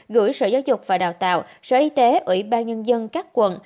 gửi sở giáo dục và đào tạo sở y tế ủy ban nhân dân các quận